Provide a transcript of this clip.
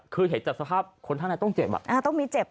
คือเห็นสภาพคนท่านต้องเจ็บ